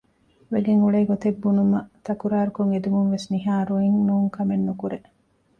ވެގެން އުޅޭ ގޮތެއް ބުނުމަށް ތަކުރާރުކޮށް އެދުމުންވެސް ނިހާ ރުއިން ނޫންކަމެއް ނުކުރޭ